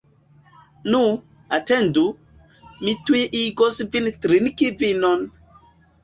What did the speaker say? Nu, atendu, mi tuj igos vin trinki vinon!